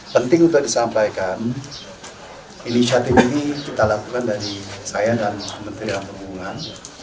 penting untuk disampaikan inisiatif ini kita lakukan dari saya dan kementerian perhubungan